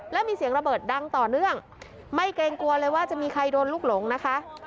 แล้วมีเสียงระเบิดดังต่อเนื่องไม่เกรงกลัวเลยว่าจะมีใครโดนลูกหลงนะคะ